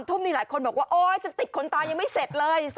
ทุ่มนี้หลายคนบอกว่าโอ๊ยฉันติดขนตายังไม่เสร็จเลย